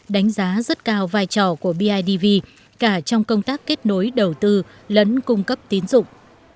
đánh giá rất cao vai trò của bidv cả trong công tác kết nối đầu tư lẫn cung cấp tín dụng